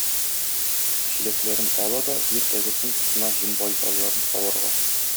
Чиләкләрен ала да иртәгесен тотына җен байталларын саварга.